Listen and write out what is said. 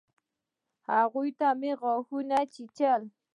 هغوى ته مې غاښونه چيچل.